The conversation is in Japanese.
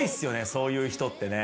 そういう人ってね。